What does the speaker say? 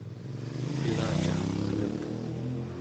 ilacirpek'nak!